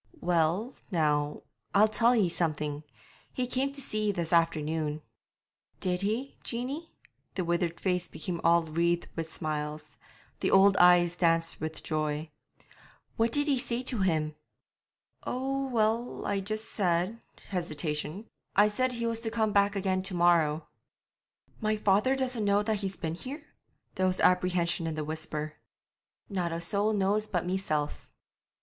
'Well, now, I'll tell ye something. He came to see ye this afternoon.' 'Did he, Jeanie?' The withered face became all wreathed with smiles; the old eyes danced with joy. 'What did ye say to him?' 'Oh, well, I just said' hesitation 'I said he was to come back again to morrow.' 'My father doesn't know that he's been here?' There was apprehension in the whisper. 'Not a soul knows but meself.'